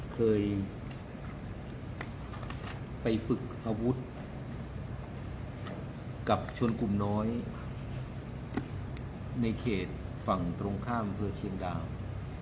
เคยไปฝึกอาวุธกับชวนกลุ่มน้อยในเขตฝั่งตรงข้ามอำเภอเชียงดาว